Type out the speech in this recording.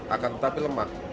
akan tetapi lemah